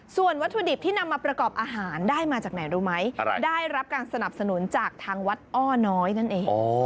ส่วนวัตถุดิบที่นำมาประกอบอาหารได้มาจากไหนรู้ไหมได้รับการสนับสนุนจากทางวัดอ้อน้อยนั่นเอง